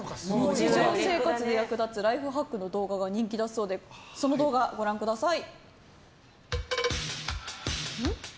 日常生活で役立つライフハックの動画が人気だそうでその動画をご覧ください。